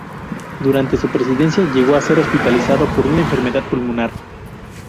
Durante su presidencia llegó a ser hospitalizado por una enfermedad pulmonar.